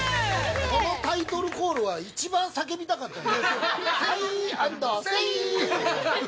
◆このタイトルコールは一番叫びたかったね。